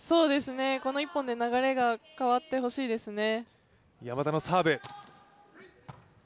この１本で流れが変わってほしいですね。